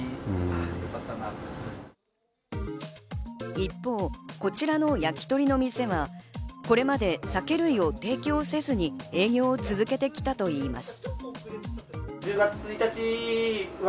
一方、こちらの焼き鳥の店はこれまで酒類を提供せずに営業を続けてきたといいます。